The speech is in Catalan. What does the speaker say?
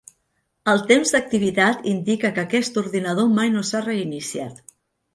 El temps d'activitat indica que aquest ordinador mai no s'ha reiniciat.